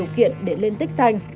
đủ kiện để lên tích xanh